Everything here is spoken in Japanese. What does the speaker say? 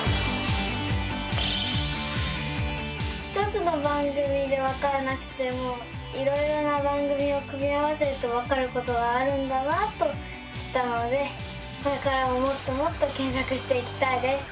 １つの番組でわからなくてもいろいろな番組を組み合わせるとわかることがあるんだなと知ったのでこれからももっともっと検索していきたいです。